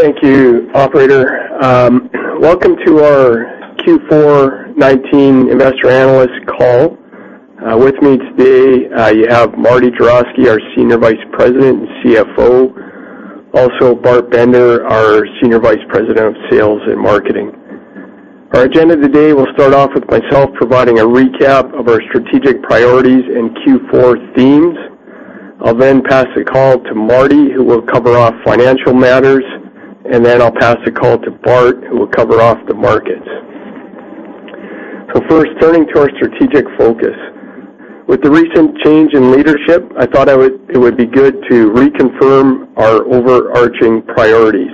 Thank you, operator. Welcome to our Q4 2019 investor analyst call. With me today, I have Marty Juravsky, our Senior Vice President and CFO, also Bart Bender, our Senior Vice President of Sales and Marketing. Our agenda today will start off with myself providing a recap of our strategic priorities in Q4 themes. I'll then pass the call to Marty, who will cover off financial matters, and then I'll pass the call to Bart, who will cover off the market. So first, turning to our strategic focus. With the recent change in leadership, I thought it would be good to reconfirm our overarching priorities.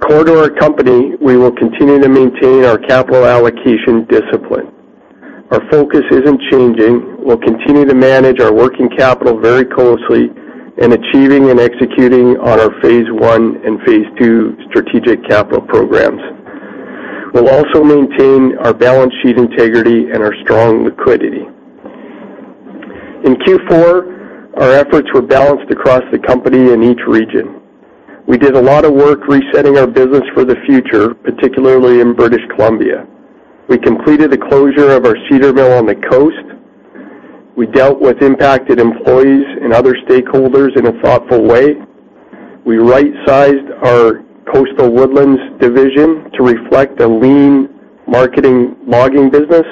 Core to our company, we will continue to maintain our capital allocation discipline. Our focus isn't changing. We'll continue to manage our working capital very closely in achieving and executing on our phase one and phase two strategic capital programs. We'll also maintain our balance sheet integrity and our strong liquidity. In Q4, our efforts were balanced across the company in each region. We did a lot of work resetting our business for the future, particularly in British Columbia. We completed the closure of our Cedarville on the coast. We dealt with impacted employees and other stakeholders in a thoughtful way. We right-sized our Coastal Woodlands division to reflect a lean marketing logging business,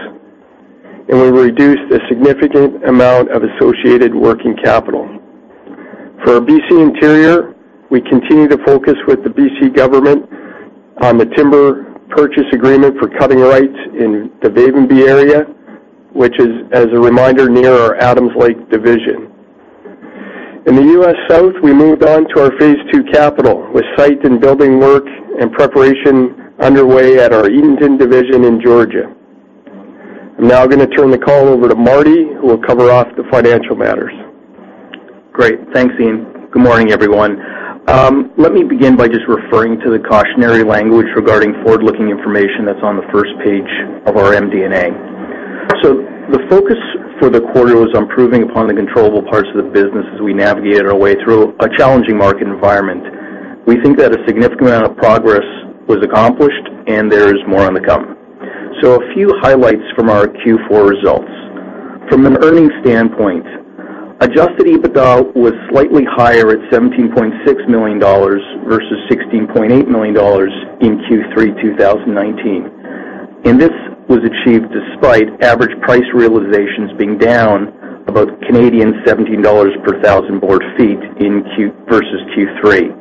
and we reduced a significant amount of associated working capital. For our B.C. Interior, we continue to focus with the B.C. government on the timber purchase agreement for cutting rights in the Babine area, which is, as a reminder, near our Adams Lake division. In the U.S. South, we moved on to our phase two capital, with site and building work and preparation underway at our Eatonton division in Georgia. I'm now gonna turn the call over to Marty, who will cover off the financial matters. Great. Thanks, Ian. Good morning, everyone. Let me begin by just referring to the cautionary language regarding forward-looking information that's on the first page of our MD&A. The focus for the quarter was on improving upon the controllable parts of the business as we navigated our way through a challenging market environment. We think that a significant amount of progress was accomplished and there is more on the come. A few highlights from our Q4 results. From an earnings standpoint, Adjusted EBITDA was slightly higher at $17.6 million versus $16.8 million in Q3, 2019. This was achieved despite average price realizations being down about Canadian 17 dollars per thousand board feet in Q4 versus Q3.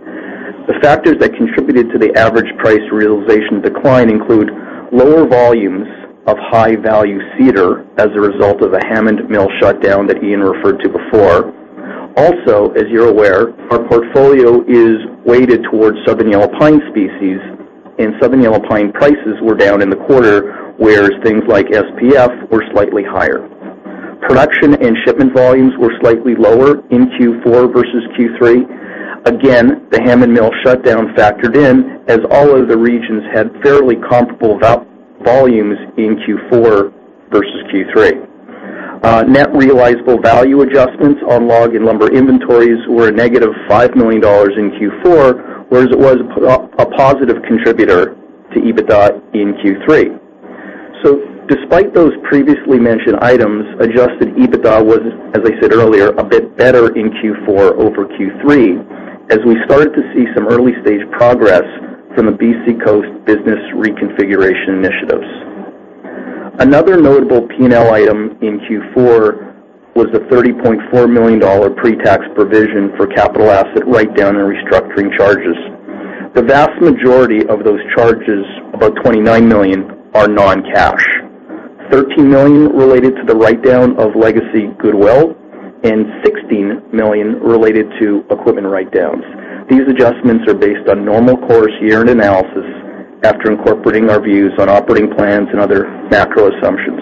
The factors that contributed to the average price realization decline include lower volumes of high-value cedar as a result of a Hammond mill shutdown that Ian referred to before. Also, as you're aware, our portfolio is weighted towards Southern Yellow Pine species, and Southern Yellow Pine prices were down in the quarter, whereas things like SPF were slightly higher. Production and shipment volumes were slightly lower in Q4 versus Q3. Again, the Hammond mill shutdown factored in, as all of the regions had fairly comparable volumes in Q4 versus Q3. Net realizable value adjustments on log and lumber inventories were -$5 million in Q4, whereas it was a positive contributor to EBITDA in Q3. So despite those previously mentioned items, Adjusted EBITDA was, as I said earlier, a bit better in Q4 over Q3 as we started to see some early-stage progress from the BC Coast business reconfiguration initiatives. Another notable P&L item in Q4 was a $30.4 million pretax provision for capital asset write-down and restructuring charges. The vast majority of those charges, about $29 million, are non-cash. $13 million related to the write-down of legacy goodwill and $16 million related to equipment write-downs. These adjustments are based on normal course year-end analysis after incorporating our views on operating plans and other macro assumptions.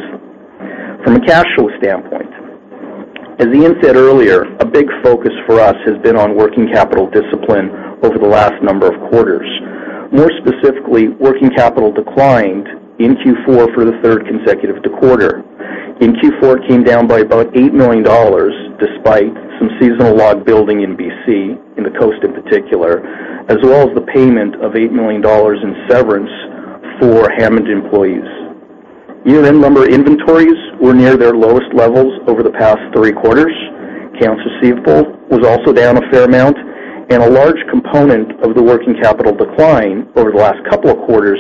From a cash flow standpoint, as Ian said earlier, a big focus for us has been on working capital discipline over the last number of quarters. More specifically, working capital declined in Q4 for the third consecutive quarter. In Q4, it came down by about $8 million, despite some seasonal log building in BC, in the coast in particular, as well as the payment of $8 million in severance for Hammond employees. Year-end lumber inventories were near their lowest levels over the past three quarters. Accounts receivable was also down a fair amount, and a large component of the working capital decline over the last couple of quarters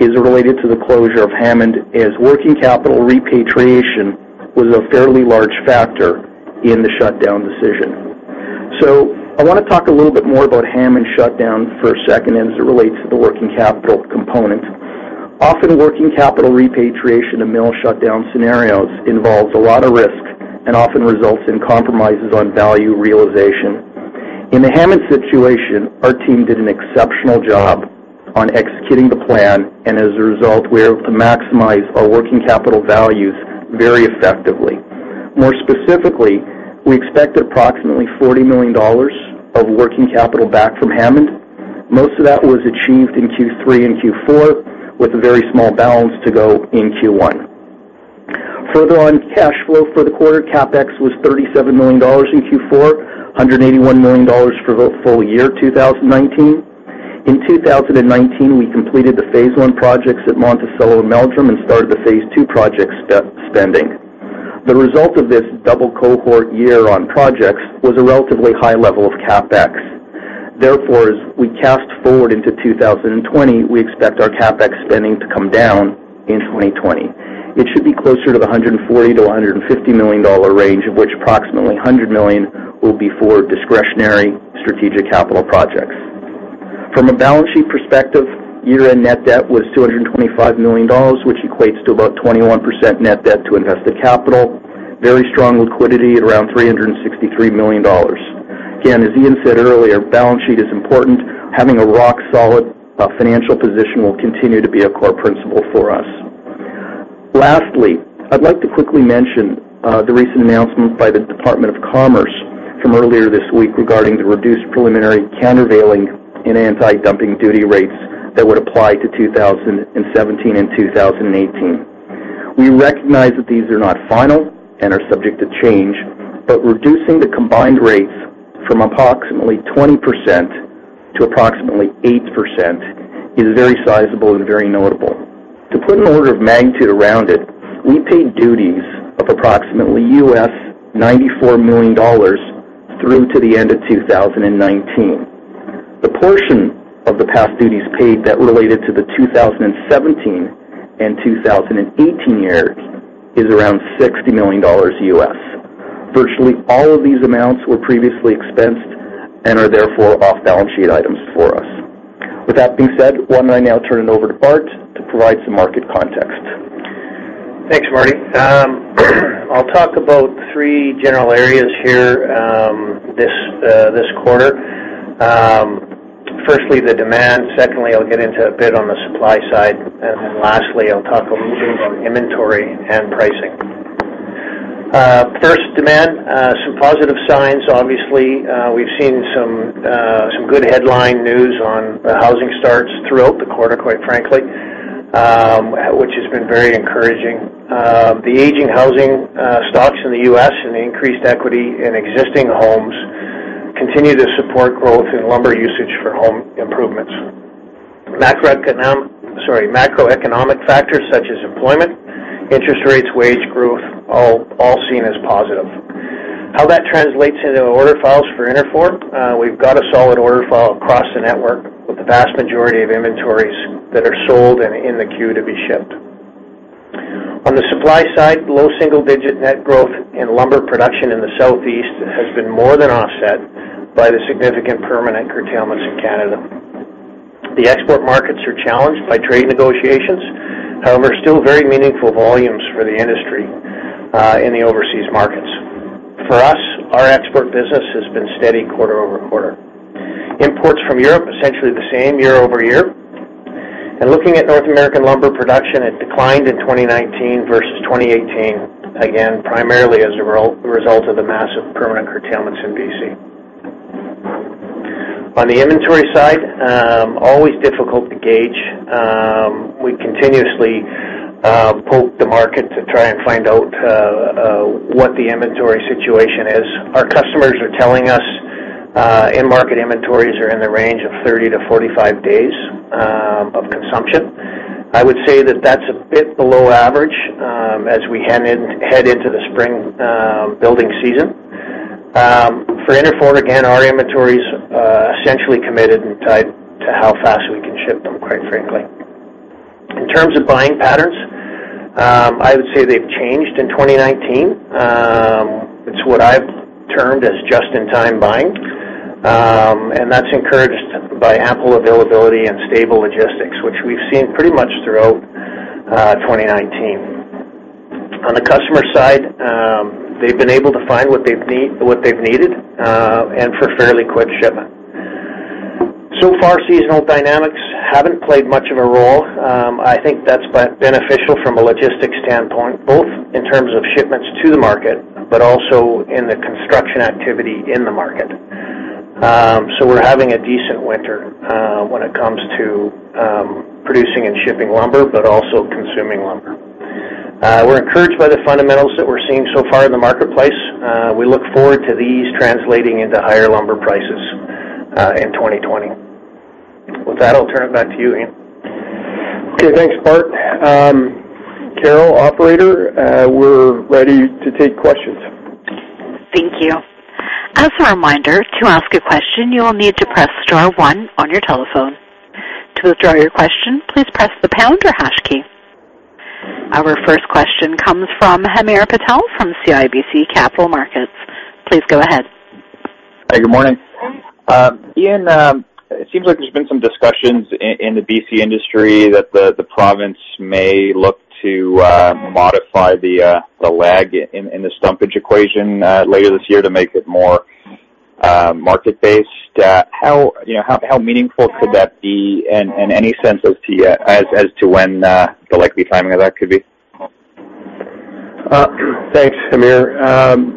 is related to the closure of Hammond, as working capital repatriation was a fairly large factor in the shutdown decision. So I wanna talk a little bit more about Hammond shutdown for a second as it relates to the working capital component. Often, working capital repatriation and mill shutdown scenarios involves a lot of risk and often results in compromises on value realization. In the Hammond situation, our team did an exceptional job on executing the plan, and as a result, we were able to maximize our working capital values very effectively. More specifically, we expect approximately $40 million of working capital back from Hammond. Most of that was achieved in Q3 and Q4, with a very small balance to go in Q1. Further on cash flow for the quarter, CapEx was $37 million in Q4, $181 million for the full year 2019. In 2019, we completed the phase one projects at Monticello and Meldrim and started the phase two project step spending. The result of this double cohort year on projects was a relatively high level of CapEx. Therefore, as we cast forward into 2020, we expect our CapEx spending to come down in 2020. It should be closer to the $140-$150 million range, of which approximately $100 million will be for discretionary strategic capital projects. From a balance sheet perspective, year-end net debt was $225 million, which equates to about 21% net debt to invested capital. Very strong liquidity at around $363 million. Again, as Ian said earlier, balance sheet is important. Having a rock-solid financial position will continue to be a core principle for us. Lastly, I'd like to quickly mention the recent announcement by the U.S. Department of Commerce from earlier this week regarding the reduced preliminary countervailing and anti-dumping duty rates that would apply to 2017 and 2018. We recognize that these are not final and are subject to change, but reducing the combined rates from approximately 20% to approximately 8% is very sizable and very notable. To put an order of magnitude around it, we paid duties of approximately $94 million through to the end of 2019. The portion of the past duties paid that related to the 2017 and 2018 years is around $60 million. Virtually all of these amounts were previously expensed and are therefore off balance sheet items for us. With that being said, why don't I now turn it over to Bart to provide some market context? Thanks, Marty. I'll talk about three general areas here, this quarter. Firstly, the demand. Secondly, I'll get into a bit on the supply side. Then lastly, I'll talk a little bit on inventory and pricing. First, demand, some positive signs. Obviously, we've seen some good headline news on housing starts throughout the quarter, quite frankly, which has been very encouraging. The aging housing stocks in the U.S. and the increased equity in existing homes continue to support growth in lumber usage for home improvements. Macroeconomic factors such as employment, interest rates, wage growth, all seen as positive. How that translates into order files for Interfor, we've got a solid order file across the network, with the vast majority of inventories that are sold and in the queue to be shipped. On the supply side, low single-digit net growth in lumber production in the Southeast has been more than offset by the significant permanent curtailments in Canada. The export markets are challenged by trade negotiations. However, still very meaningful volumes for the industry in the overseas markets. For us, our export business has been steady quarter-over-quarter. Imports from Europe, essentially the same year-over-year. Looking at North American lumber production, it declined in 2019 versus 2018, again, primarily as a result of the massive permanent curtailments in BC. On the inventory side, always difficult to gauge. We continuously poke the market to try and find out what the inventory situation is. Our customers are telling us in-market inventories are in the range of 30-45 days of consumption. I would say that that's a bit below average, as we head into the spring building season. For Interfor, again, our inventory is essentially committed and tied to how fast we can ship them, quite frankly. In terms of buying patterns, I would say they've changed in 2019. It's what I've termed as just-in-time buying, and that's encouraged by ample availability and stable logistics, which we've seen pretty much throughout 2019. On the customer side, they've been able to find what they've needed, and for fairly quick shipment. So far, seasonal dynamics haven't played much of a role. I think that's beneficial from a logistics standpoint, both in terms of shipments to the market, but also in the construction activity in the market. So we're having a decent winter when it comes to producing and shipping lumber, but also consuming lumber. We're encouraged by the fundamentals that we're seeing so far in the marketplace. We look forward to these translating into higher lumber prices in 2020. With that, I'll turn it back to you, Ian. Okay, thanks, Bart. Carol, operator, we're ready to take questions. Thank you. As a reminder, to ask a question, you will need to press star one on your telephone. To withdraw your question, please press the pound or hash key. Our first question comes from Hamir Patel from CIBC Capital Markets. Please go ahead. Hi, good morning. Ian, it seems like there's been some discussions in the BC industry that the province may look to modify the lag in the stumpage equation later this year to make it more market based. You know, how meaningful could that be, and any sense as to when the likely timing of that could be? Thanks, Hamir....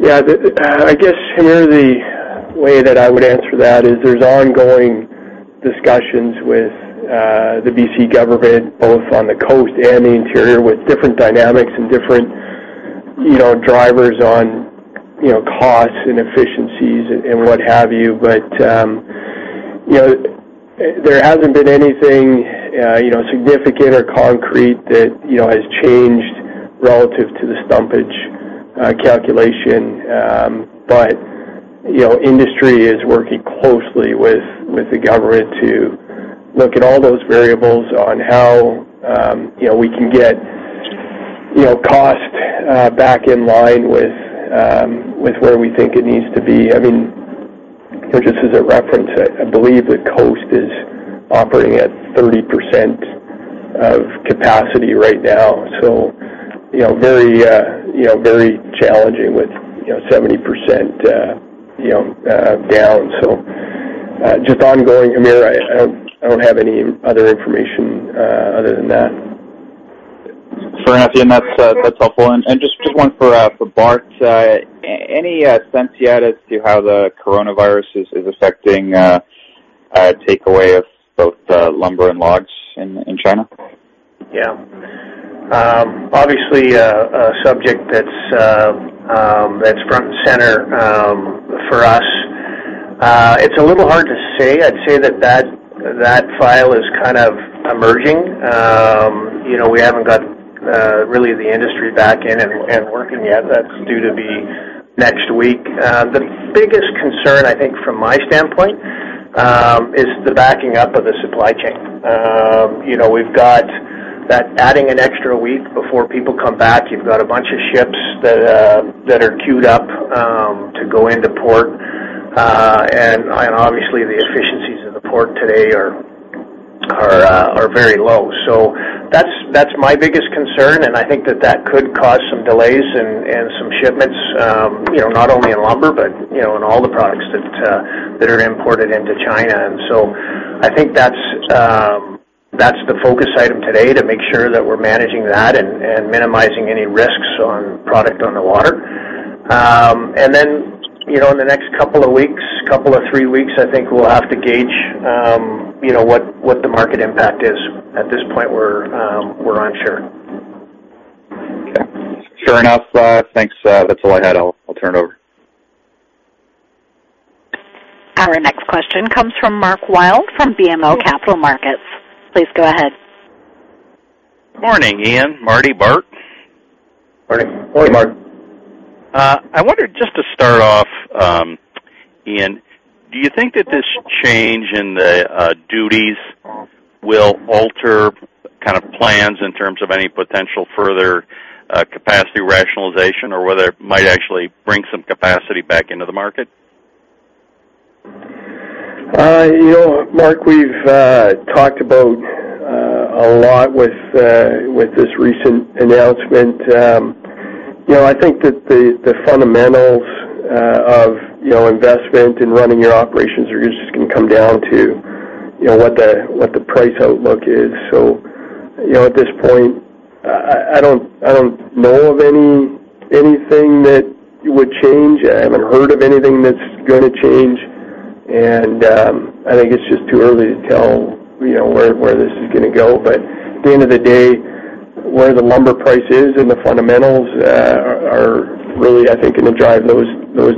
Yeah, the, I guess, Hamir, the way that I would answer that is there's ongoing discussions with, the BC government, both on the coast and the interior, with different dynamics and different, you know, drivers on, you know, costs and efficiencies and, what have you. But, you know, there hasn't been anything, you know, significant or concrete that, you know, has changed relative to the stumpage, calculation. But, you know, industry is working closely with, the government to look at all those variables on how, you know, we can get, you know, cost, back in line with, with where we think it needs to be. I mean, just as a reference, I believe the coast is operating at 30% of capacity right now, so, you know, very, you know, very challenging with, you know, 70% down. So, just ongoing, Hamir, I don't have any other information, other than that. Fair enough, Ian. That's helpful. And just one for Bart. Any sense yet as to how the coronavirus is affecting takeaway of both lumber and logs in China? Yeah. Obviously, a subject that's front and center for us. It's a little hard to say. I'd say that file is kind of emerging. You know, we haven't got really the industry back in and working yet. That's due to be next week. The biggest concern, I think, from my standpoint, is the backing up of the supply chain. You know, we've got that adding an extra week before people come back. You've got a bunch of ships that are queued up to go into port, and obviously, the efficiencies of the port today are very low. So that's, that's my biggest concern, and I think that that could cause some delays in some shipments, you know, not only in lumber, but, you know, in all the products that are imported into China. And so I think that's the focus item today, to make sure that we're managing that and minimizing any risks on product on the water. And then, you know, in the next couple of weeks, couple or three weeks, I think we'll have to gauge, you know, what the market impact is. At this point, we're unsure. Okay. Fair enough. Thanks. That's all I had. I'll turn it over. Our next question comes from Mark Wilde from BMO Capital Markets. Please go ahead. Morning, Ian, Marty, Bart. Morning. Morning, Mark. I wondered, just to start off, Ian, do you think that this change in the duties will alter kind of plans in terms of any potential further capacity rationalization, or whether it might actually bring some capacity back into the market? You know, Mark, we've talked about a lot with this recent announcement. You know, I think that the fundamentals of investment in running your operations are just gonna come down to what the price outlook is. So, you know, at this point, I don't know of anything that would change. I haven't heard of anything that's gonna change, and I think it's just too early to tell, you know, where this is gonna go. But at the end of the day, where the lumber price is and the fundamentals are really, I think, gonna drive those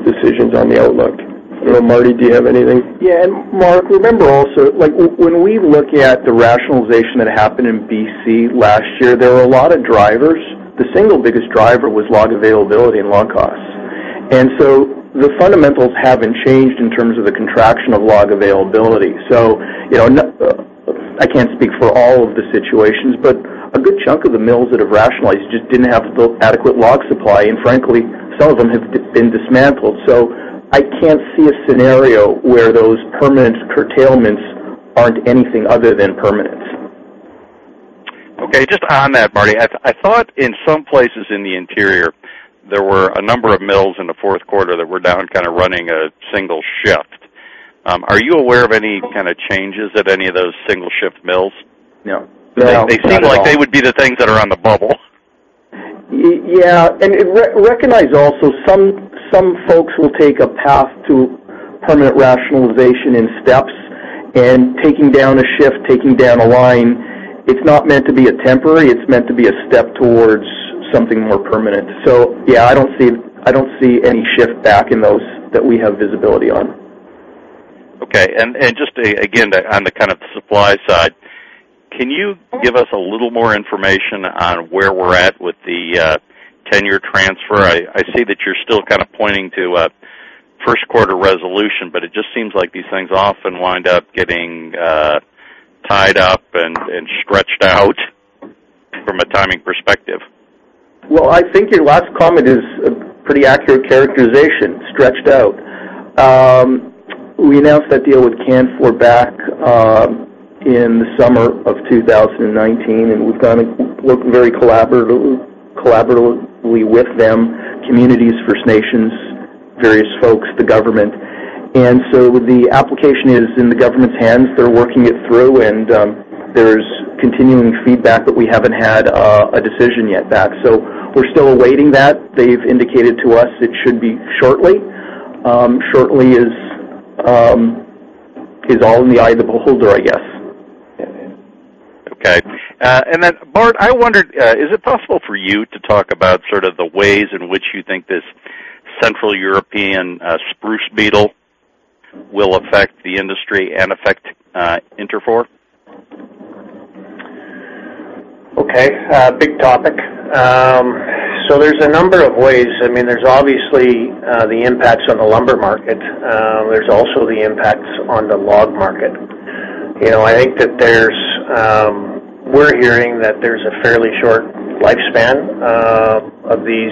decisions on the outlook. You know, Marty, do you have anything? Yeah, and Mark, remember also, like, when we look at the rationalization that happened in BC last year, there were a lot of drivers. The single biggest driver was log availability and log costs. And so the fundamentals haven't changed in terms of the contraction of log availability. So, you know, I can't speak for all of the situations, but a good chunk of the mills that have rationalized just didn't have the adequate log supply, and frankly, some of them have been dismantled. So I can't see a scenario where those permanent curtailments aren't anything other than permanent. Okay, just on that, Marty, I thought in some places in the interior, there were a number of mills in the fourth quarter that were down, kind of running a single shift. Are you aware of any kind of changes at any of those single shift mills? No, not at all. They seem like they would be the things that are on the bubble. Yeah, and recognize also some folks will take a path to permanent rationalization in steps, and taking down a shift, taking down a line, it's not meant to be temporary, it's meant to be a step towards something more permanent. So yeah, I don't see, I don't see any shift back in those that we have visibility on. Okay. And just again, on the kind of supply side, can you give us a little more information on where we're at with the tenure transfer? I see that you're still kind of pointing to a first quarter resolution, but it just seems like these things often wind up getting tied up and stretched out from a timing perspective. Well, I think your last comment is a pretty accurate characterization, stretched out. We announced that deal with Canfor back in the summer of 2019, and we've kind of worked very collaboratively, collaboratively with them, communities, First Nations.... various folks, the government. And so the application is in the government's hands. They're working it through, and there's continuing feedback, but we haven't had a decision yet back. So we're still awaiting that. They've indicated to us it should be shortly. Shortly is all in the eye of the beholder, I guess. Okay. And then, Bart, I wondered, is it possible for you to talk about sort of the ways in which you think this Central European spruce beetle will affect the industry and affect Interfor? Okay, big topic. So there's a number of ways. I mean, there's obviously, the impacts on the lumber market. There's also the impacts on the log market. You know, I think that there's... We're hearing that there's a fairly short lifespan, of these,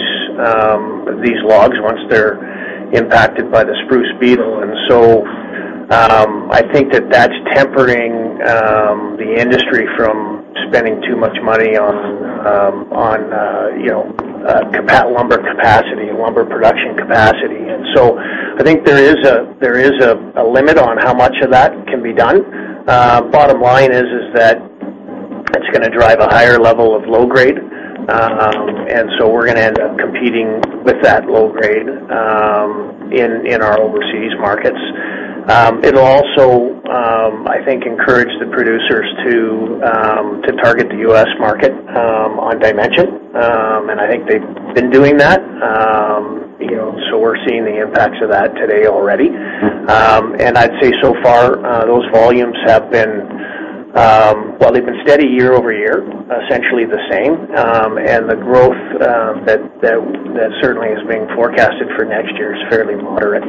these logs once they're impacted by the spruce beetle. And so, I think that that's tempering, the industry from spending too much money on, on, you know, lumber capacity, lumber production capacity. And so I think there is a, there is a, a limit on how much of that can be done. Bottom line is, is that it's gonna drive a higher level of low grade, and so we're gonna end up competing with that low grade, in, in our overseas markets. It'll also, I think, encourage the producers to target the U.S. market on dimension. And I think they've been doing that. You know, so we're seeing the impacts of that today already. And I'd say so far, those volumes have been, well, they've been steady year-over-year, essentially the same. And the growth that certainly is being forecasted for next year is fairly moderate.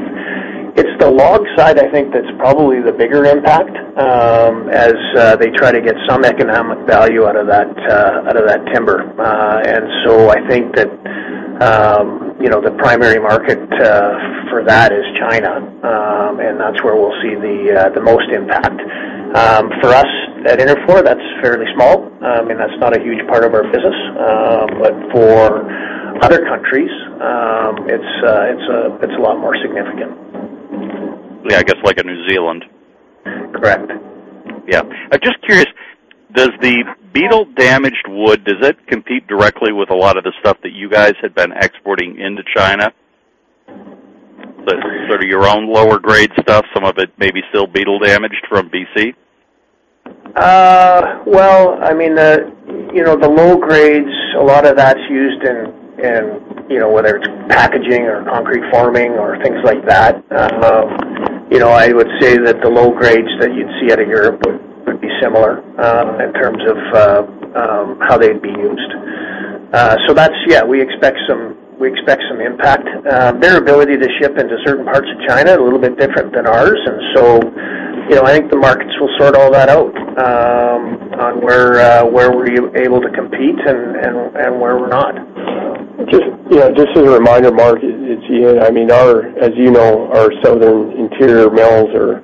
It's the log side, I think, that's probably the bigger impact, as they try to get some economic value out of that, out of that timber. And so I think that, you know, the primary market for that is China, and that's where we'll see the most impact. For us at Interfor, that's fairly small. I mean, that's not a huge part of our business. But for other countries, it's a lot more significant. Yeah, I guess like in New Zealand. Correct. Yeah. I'm just curious: Does the beetle-damaged wood, does that compete directly with a lot of the stuff that you guys had been exporting into China? The, sort of your own lower grade stuff, some of it maybe still beetle damaged from BC? Well, I mean, the, you know, the low grades, a lot of that's used in, in, you know, whether it's packaging or concrete forming or things like that. You know, I would say that the low grades that you'd see out of Europe would be similar in terms of how they'd be used. So that's... Yeah, we expect some, we expect some impact. Their ability to ship into certain parts of China is a little bit different than ours, and so, you know, I think the markets will sort all that out on where where we're able to compete and where we're not. Just, you know, just as a reminder, Mark, it's Ian. I mean, our, as you know, our Southern Interior mills are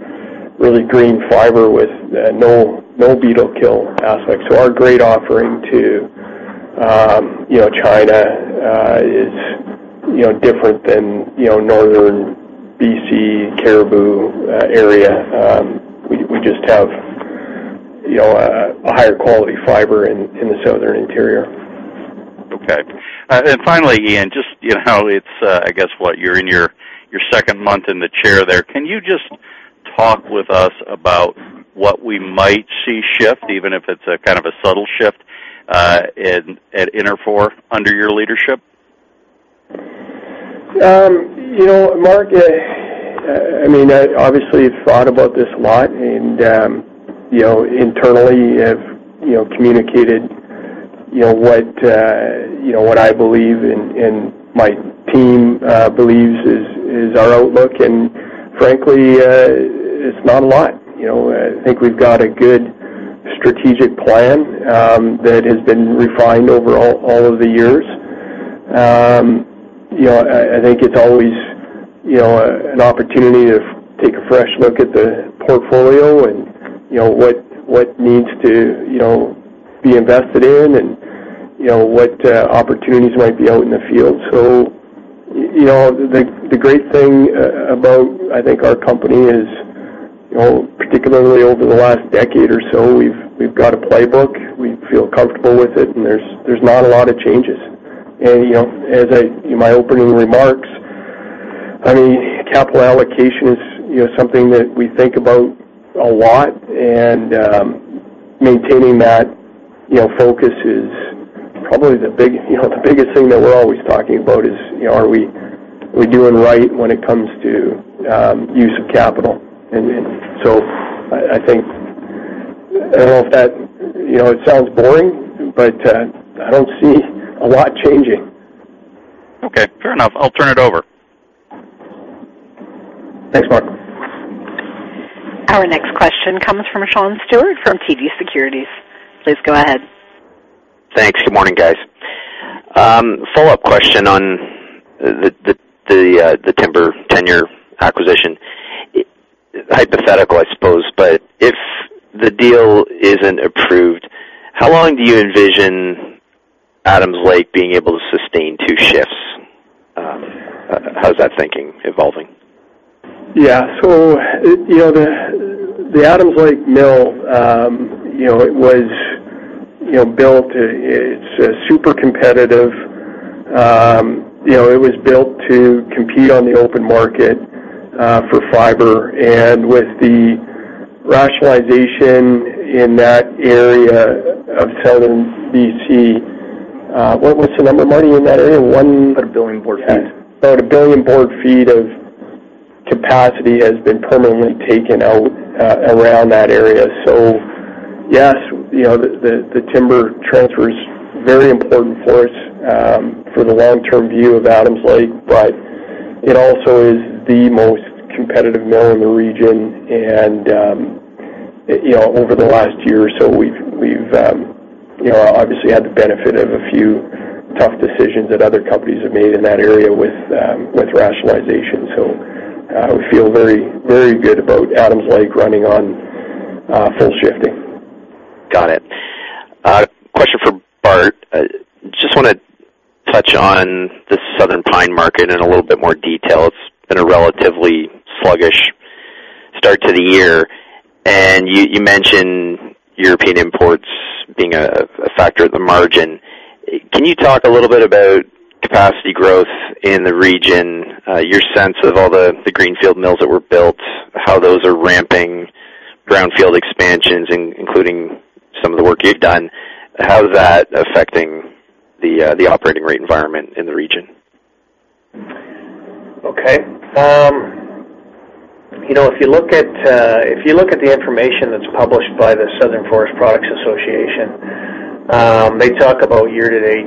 really green fiber with no, no beetle kill aspect. So our grade offering to, you know, China is, you know, different than, you know, northern BC, Cariboo area. We just have, you know, a higher quality fiber in the Southern Interior. Okay. And finally, Ian, just, you know, it's, I guess, what? You're in your second month in the chair there. Can you just talk with us about what we might see shift, even if it's a kind of a subtle shift, at Interfor under your leadership? You know, Mark, I mean, I obviously thought about this a lot and, you know, internally have, you know, communicated, you know, what, you know, what I believe and, and my team, believes is, is our outlook, and frankly, it's not a lot. You know, I think we've got a good strategic plan that has been refined over all of the years. You know, I think it's always, you know, an opportunity to take a fresh look at the portfolio and, you know, what needs to, you know, be invested in, and, you know, what opportunities might be out in the field. So, you know, the great thing about, I think, our company is, you know, particularly over the last decade or so, we've got a playbook. We feel comfortable with it, and there's not a lot of changes. And, you know, as I in my opening remarks, I mean, capital allocation is, you know, something that we think about a lot, and maintaining that, you know, focus is probably the biggest thing that we're always talking about. You know, are we doing right when it comes to use of capital? And then, so I think I don't know if that, you know, it sounds boring, but I don't see a lot changing. Okay, fair enough. I'll turn it over. Thanks, Mark. Our next question comes from Sean Steuart from TD Securities. Please go ahead. Thanks. Good morning, guys. Follow-up question on the timber tenure acquisition.... If the deal isn't approved, how long do you envision Adams Lake being able to sustain two shifts? How is that thinking evolving? Yeah, so, you know, the Adams Lake Mill, you know, it was built, it's super competitive. You know, it was built to compete on the open market for fiber. And with the rationalization in that area of Southern BC, what was the number of money in that area? One- About 1 billion board feet. About 1 billion board feet of capacity has been permanently taken out around that area. So yes, you know, the timber transfer is very important for us for the long-term view of Adams Lake, but it also is the most competitive mill in the region. And you know, over the last year or so, we've you know, obviously, had the benefit of a few tough decisions that other companies have made in that area with rationalization. So I would feel very, very good about Adams Lake running on full shifting. Got it. Question for Bart. I just wanna touch on the Southern Pine market in a little bit more detail. It's been a relatively sluggish start to the year, and you, you mentioned European imports being a factor of the margin. Can you talk a little bit about capacity growth in the region, your sense of all the Greenfield mills that were built, how those are ramping brownfield expansions, including some of the work you've done? How is that affecting the operating rate environment in the region? Okay. You know, if you look at the information that's published by the Southern Forest Products Association, they talk about year-to-date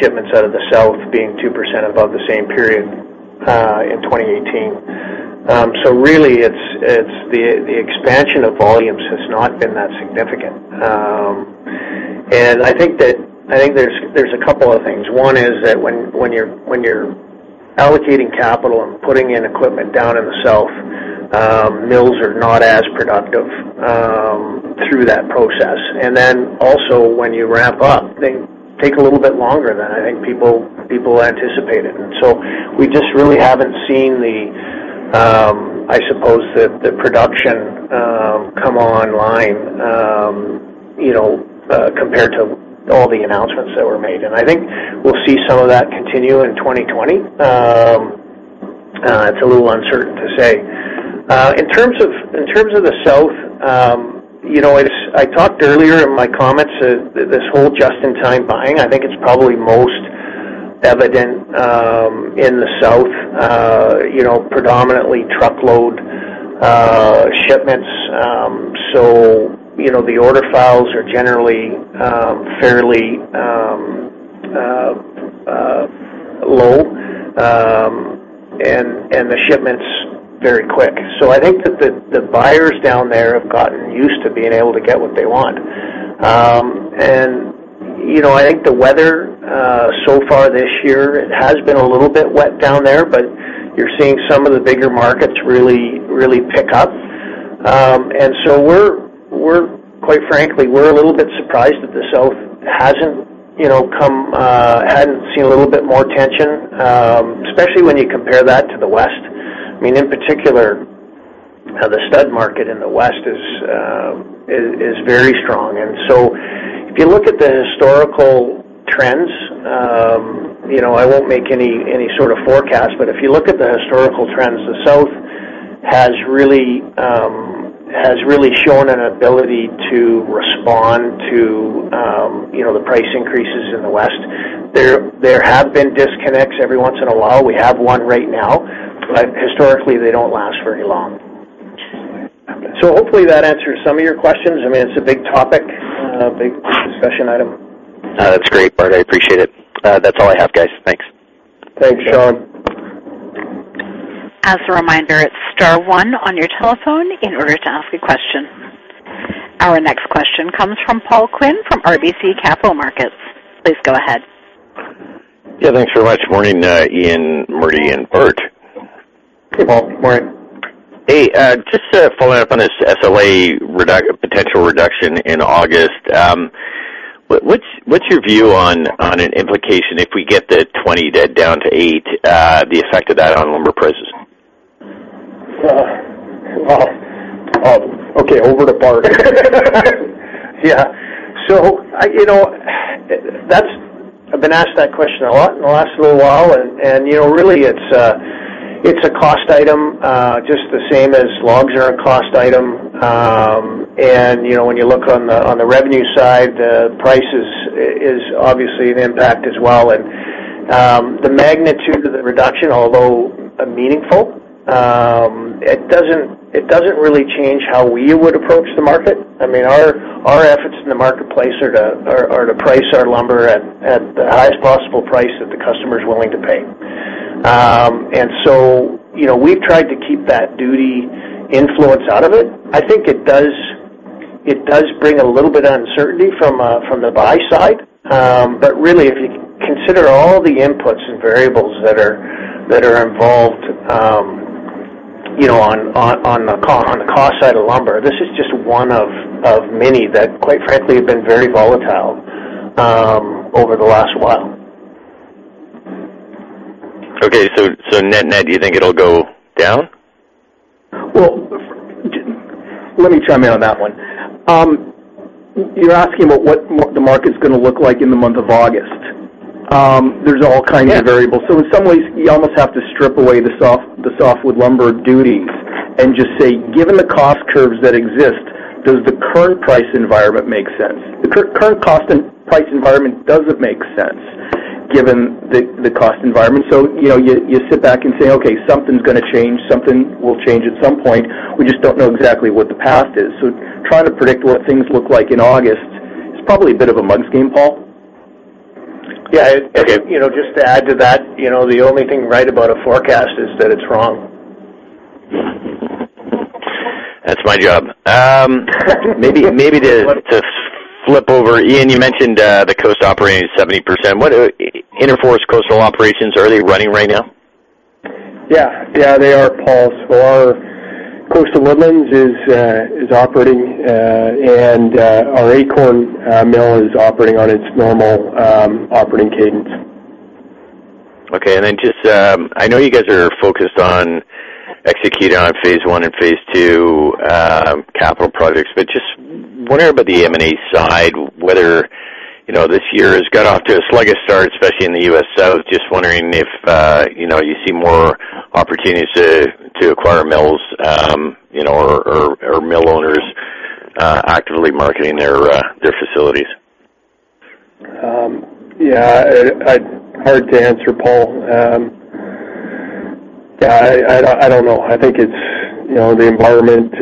shipments out of the South being 2% above the same period in 2018. So really, it's the expansion of volumes has not been that significant. And I think that—I think there's a couple of things. One is that when you're allocating capital and putting in equipment down in the South, mills are not as productive through that process. And then also, when you ramp up, they take a little bit longer than I think people anticipated. And so we just really haven't seen the, I suppose, the production come online, you know, compared to all the announcements that were made. I think we'll see some of that continue in 2020. It's a little uncertain to say. In terms of the South, you know, it's. I talked earlier in my comments, this whole just-in-time buying, I think it's probably most evident in the South, you know, predominantly truckload shipments. So, you know, the order files are generally fairly low, and the shipments very quick. So I think that the buyers down there have gotten used to being able to get what they want. And, you know, I think the weather so far this year, it has been a little bit wet down there, but you're seeing some of the bigger markets really, really pick up. And so we're, we're... Quite frankly, we're a little bit surprised that the South hasn't, you know, come, hadn't seen a little bit more tension, especially when you compare that to the West. I mean, in particular, how the stud market in the West is very strong. And so if you look at the historical trends, you know, I won't make any sort of forecast, but if you look at the historical trends, the South has really shown an ability to respond to, you know, the price increases in the West. There have been disconnects every once in a while. We have one right now, but historically, they don't last very long. So hopefully, that answers some of your questions. I mean, it's a big topic, a big discussion item. That's great, Bart. I appreciate it. That's all I have, guys. Thanks. Thanks, Sean. As a reminder, it's star one on your telephone in order to ask a question. Our next question comes from Paul Quinn, from RBC Capital Markets. Please go ahead. Yeah, thanks very much. Morning, Ian, Marty, and Bart. Hey, Paul. Morning. Hey, just to follow up on this SLA potential reduction in August. What's your view on an implication if we get the 20 down to 8, the effect of that on lumber prices? Well, well, okay, over to Bart. Yeah. So you know, that's—I've been asked that question a lot in the last little while, and you know, really, it's a cost item just the same as logs are a cost item. And you know, when you look on the revenue side, the price is obviously an impact as well. And the magnitude of the reduction, although meaningful, it doesn't really change how we would approach the market. I mean, our efforts in the marketplace are to price our lumber at the highest possible price that the customer is willing to pay. And so you know, we've tried to keep that duty influence out of it. I think it does bring a little bit of uncertainty from the buy side. But really, if you consider all the inputs and variables that are involved,... you know, on the cost side of lumber, this is just one of many that, quite frankly, have been very volatile over the last while. Okay, so, so net-net, do you think it'll go down? Well, let me chime in on that one. You're asking about what, what the market's gonna look like in the month of August. There's all kinds of variables. Yeah. So in some ways, you almost have to strip away the softwood lumber duties and just say, given the cost curves that exist, does the current price environment make sense? The current cost and price environment doesn't make sense, given the cost environment. So, you know, you sit back and say, "Okay, something's gonna change. Something will change at some point." We just don't know exactly what the path is. So trying to predict what things look like in August is probably a bit of a mug's game, Paul. Yeah, it, you know, just to add to that, you know, the only thing right about a forecast is that it's wrong. That's my job. Maybe to flip over, Ian, you mentioned the coast operating at 70%. What, Interfor coastal operations, are they running right now? Yeah. Yeah, they are, Paul. So our coastal woodlands is operating, and our Acorn mill is operating on its normal operating cadence. Okay, and then just, I know you guys are focused on executing on phase one and phase two capital projects, but just wondering about the M&A side, whether, you know, this year has got off to a sluggish start, especially in the U.S. South. Just wondering if, you know, you see more opportunities to acquire mills, you know, or mill owners actively marketing their facilities. Yeah, hard to answer, Paul. Yeah, I don't know. I think it's, you know, the environment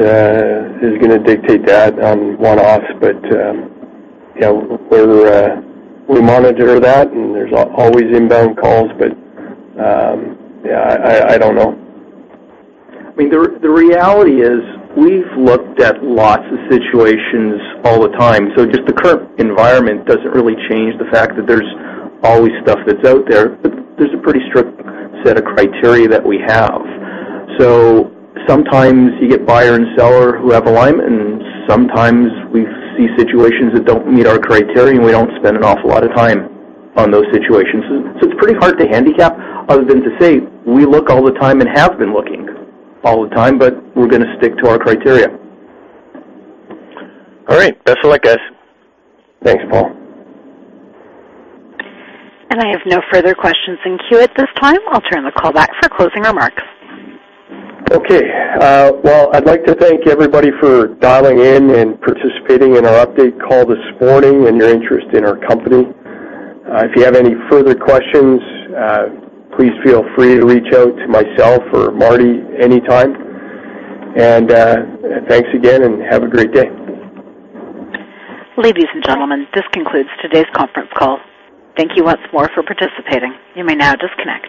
is gonna dictate that on one-offs. But, you know, we monitor that, and there's always inbound calls, but, yeah, I don't know. I mean, the reality is, we've looked at lots of situations all the time, so just the current environment doesn't really change the fact that there's always stuff that's out there, but there's a pretty strict set of criteria that we have. So sometimes you get buyer and seller who have alignment, and sometimes we see situations that don't meet our criteria, and we don't spend an awful lot of time on those situations. So it's pretty hard to handicap other than to say we look all the time and have been looking all the time, but we're gonna stick to our criteria. All right. Best of luck, guys. Thanks, Paul. I have no further questions in queue at this time. I'll turn the call back for closing remarks. Okay. Well, I'd like to thank everybody for dialing in and participating in our update call this morning and your interest in our company. If you have any further questions, please feel free to reach out to myself or Marty anytime. Thanks again, and have a great day. Ladies and gentlemen, this concludes today's conference call. Thank you once more for participating. You may now disconnect.